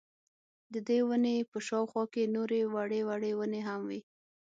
ددې وني په شاوخوا کي نوري وړې وړې وني هم وې